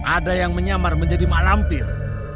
ada yang menyamar menjadi mak lampir